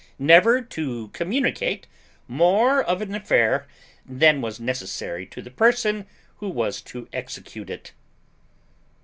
Never to communicate more of an affair than was necessary to the person who was to execute it.